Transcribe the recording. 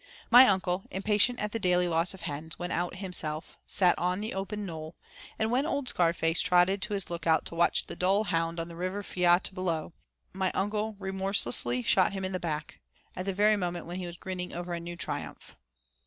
My uncle, impatient at the daily loss of hens, went out himself, sat on the open knoll, and when old Scarface trotted to his lookout to watch the dull hound on the river flat below, my uncle remorselessly shot him in the back, at the very moment when he was grinning over a new triumph.